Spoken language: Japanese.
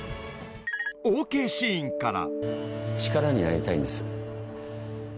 ［ＯＫシーンから］